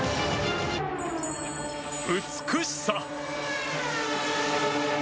美しさ！